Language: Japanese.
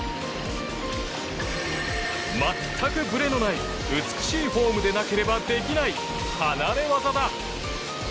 全くぶれのない美しいフォームでなければできない離れ業だ。